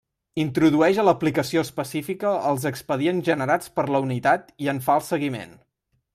Introdueix a l'aplicació específica els expedients generats per la unitat i en fa el seguiment.